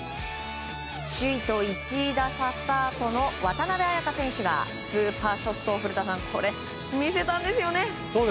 首位と１打差スタートの渡邉彩香選手がスーパーショットを古田さん見せたんですよね！